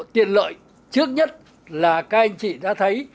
tiện lợi trước nhất là các anh chị đã thấy